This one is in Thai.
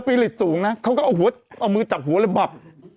บีริส์สูงนะเขาก็เอามือจับหัวแล้วบับ